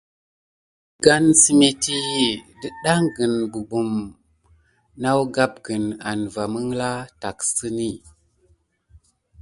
Əgane səmétti dətɗaŋgəne gɓugɓum nawgapgəne ane va məŋɠla tacksəne.